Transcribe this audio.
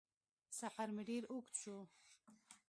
سفر مې ډېر اوږد شو